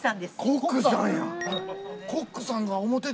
コックさんや！